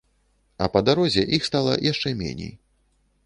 А па дарозе іх стала яшчэ меней.